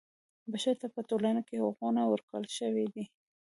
بشر ته په ټولنه کې حقونه ورکړل شوي دي.